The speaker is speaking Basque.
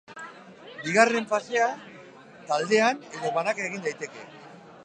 Bigarren fasea taldean edo banaka egin daiteke.